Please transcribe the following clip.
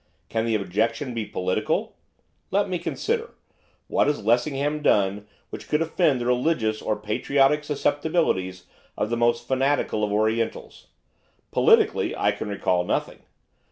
Can the objection be political? Let me consider, what has Lessingham done which could offend the religious or patriotic susceptibilities of the most fanatical of Orientals? Politically, I can recall nothing.